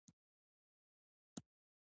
تعلیم د کورني تاوتریخوالي مخه نیسي.